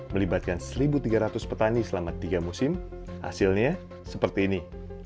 melibatkan satu tiga ratus petani selama tiga musim hasilnya seperti ini